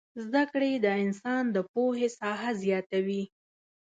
زدکړې د انسان د پوهې ساحه زياتوي